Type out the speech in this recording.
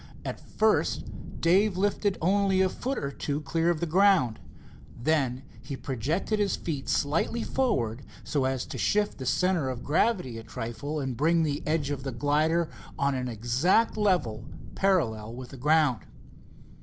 At first Dave lifted only a foot or two clear of the ground. Then he projected his feet slightly forward, so as to shift the center of gravity a trifle and bring the edges of the glider on an exact level parallel with the ground.